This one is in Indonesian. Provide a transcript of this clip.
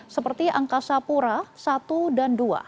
seperti angkasa pura satu dan dua